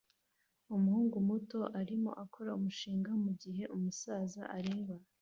Umuhungu muto arimo akora umushinga mugihe umusaza areba